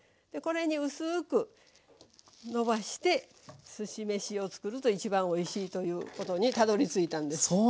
これにうすくのばしてすし飯を作ると一番おいしいということにたどりついたんです。